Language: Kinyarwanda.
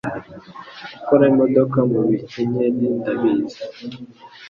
gukora imodoka mu bikenyeri ndabizi